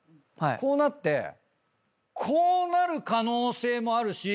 こうなってこうなる可能性もあるし。